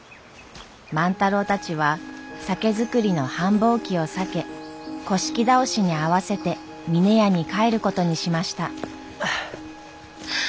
万太郎たちは酒造りの繁忙期を避け倒しに合わせて峰屋に帰ることにしました。